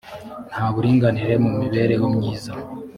nta buringanire mu mibereho myiza